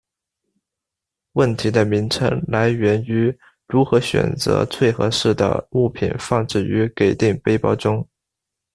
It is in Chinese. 问题的名称来源于如何选择最合适的物品放置于给定背包中。